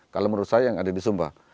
kalau menurut saya yang ada di sumpah